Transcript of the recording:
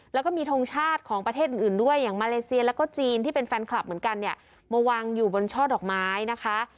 แล้วก็มีทงชาติของประเทศอื่นด้วยอย่างมาเลเซียแล้วก็จีนที่เป็นแฟนคลับเหมือนกันเนี่ยมาวางอยู่บนช่อดอกไม้นะคะ